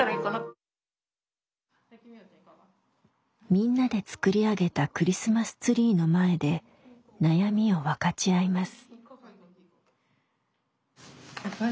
みんなで作り上げたクリスマスツリーの前で悩みを分かち合います。